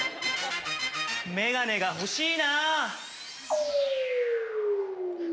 眼鏡がほしいな。